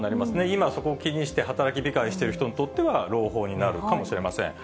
今はそこを気にして働き控えしてる人にとっては、朗報になるかもしれません。